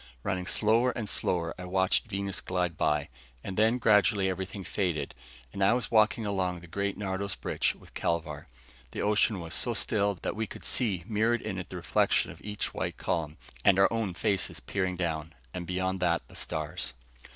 Running slower and slower, I watched Venus glide by. And then, gradually, everything faded, and I was walking along the great Nardos bridge with Kelvar. The ocean was so still that we could see mirrored in it the reflection of each white column, and our own faces peering down, and beyond that the stars.